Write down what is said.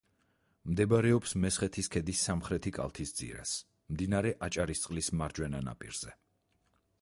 მდებარეობს მესხეთის ქედის სამხრეთი კალთის ძირას, მდინარე აჭარისწყლის მარჯვენა ნაპირზე.